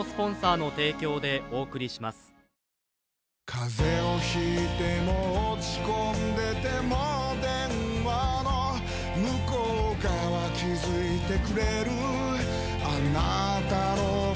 風邪を引いても落ち込んでても電話の向こう側気付いてくれるあなたの声